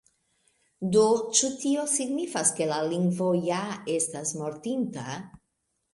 Do, ĉu tio signifas ke la lingvo ja estas mortinta?